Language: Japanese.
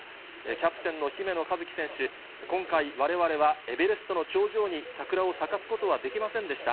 キャプテンの姫野和樹選手、今回、われわれはエベレストの頂上に桜を咲かすことはできませんでした。